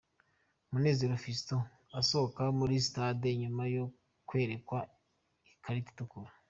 Munezero Fiston asohoka muri sitade nyuma yo kwerekwa ikarita itukura.